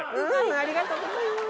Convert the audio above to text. ありがとうございます。